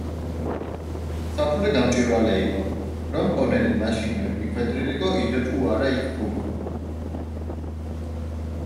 საფულე გამჭვირვალე იყო, რომ მპოვნელი მაშინვე მიხვედრილიყო, იდო თუ არა იქ ფული.